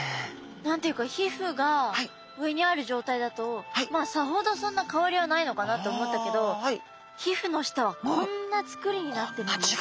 何て言うか皮膚が上にある状態だとさほどそんな変わりはないのかなと思ったけど皮膚の下はこんなつくりになってるんですね。